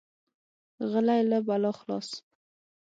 غلی، له بلا خلاص.